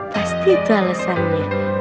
pasti itu alesannya